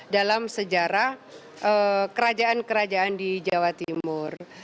dalam sejarah kerajaan kerajaan di jawa timur